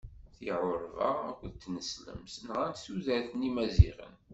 Tiɛuṛba akked tineslemt nɣant tudert n yimaziɣen.